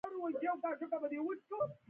مړه ته د نجات دعا کوو